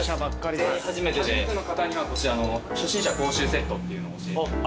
初めての方にはこちらの初心者講習セットっていうのを。